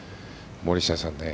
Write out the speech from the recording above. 森下さん